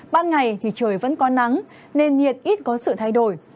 ban ngày thì trời vẫn có nắng nền nhiệt ít có sự thay đổi